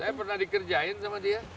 saya pernah dikerjain sama dia